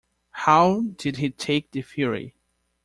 How did he take the theory?